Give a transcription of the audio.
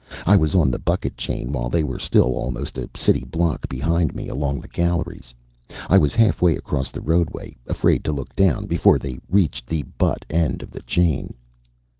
I was on the bucket chain while they were still almost a city block behind me, along the galleries. I was halfway across the roadway, afraid to look down, before they reached the butt end of the chain.